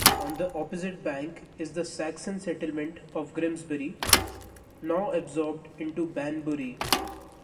On the opposite bank is the Saxon settlement of Grimsbury, now absorbed into Banbury.